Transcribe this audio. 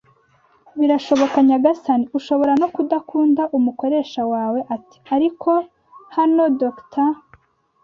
“Birashoboka, nyagasani, ushobora no kudakunda umukoresha wawe?” ati: Ariko hano Dr.